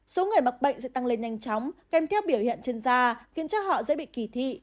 số người mắc bệnh sẽ tăng lên nhanh chóng kèm theo biểu hiện trên da khiến cho họ dễ bị kỳ thị